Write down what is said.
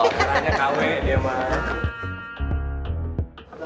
ranya kw dia mah